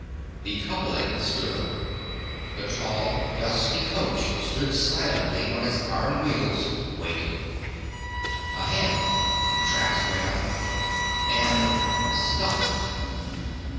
The coupling stood open. The tall, dusty coach stood silently on its iron wheels, waiting. Ahead the tracks went on And stopped.